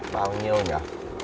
bao nhiêu nhỉ